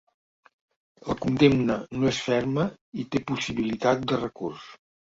La condemna no és ferma i té possibilitat de recurs.